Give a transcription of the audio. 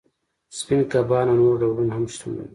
سپین کبان او نور ډولونه هم شتون لري